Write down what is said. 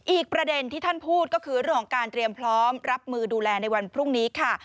อีกประเด็นที่ท่านพูดก็คือเรื่องของการเตรียมพร้อมรับมือดูแลในวันพรุ่งนี้ค่ะ